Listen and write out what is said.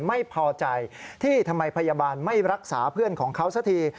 ไม่พอใจที่ทำไมพยาบาลไม่รักษาเพื่อนของเขาสักที